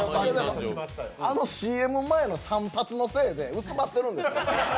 あのＣＭ前の３発のせいで薄まってるんです。